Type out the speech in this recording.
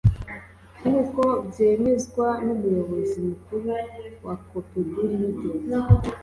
nk’uko byemezwa n’Umuyobozi Mukuru wa Copedu Ltd